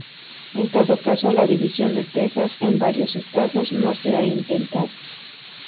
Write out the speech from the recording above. En todo caso, la división de Texas en varios estados no se ha intentado.